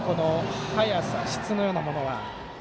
速さ、質のようなものは。